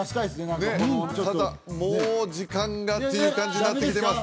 何かこのただもう時間がっていう感じになってきてます